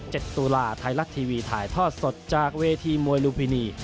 ตุลาไทยรัฐทีวีถ่ายทอดสดจากเวทีมวยลุมพินี